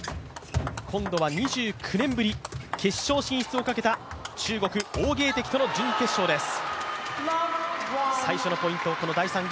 今度は２９年ぶり、決勝進出をかけた中国、王ゲイ迪との準決勝です。